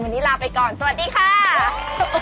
ตอนนี้ลาไปก่อนสวัสดีครับ